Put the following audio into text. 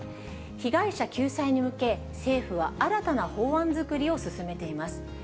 被害者救済に向け、政府は新たな法案作りを進めています。